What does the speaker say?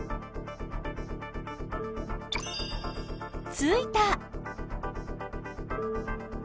ついた！